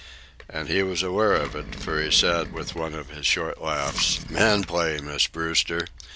And he was aware of it, for he said, with one of his short laughs: "Man play, Miss Brewster.